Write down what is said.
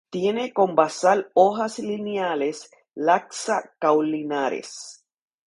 Tiene con basal hojas lineales, laxas caulinares.